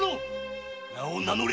名を名乗れ！